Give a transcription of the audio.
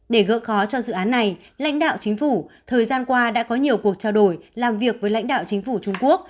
để gỡ khó cho dự án này lãnh đạo chính phủ thời gian qua đã có nhiều cuộc trao đổi làm việc với lãnh đạo chính phủ trung quốc